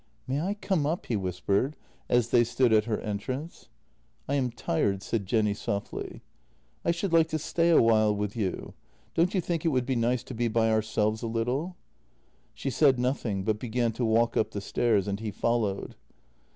"May I come up? " he whispered as they stood at her en trance. " I am tired," said Jenny softly. " I should like to stay a while with you — don't you think it would be nice to be by ourselves a little? " She said nothing, but began to walk up the stairs, and he followed.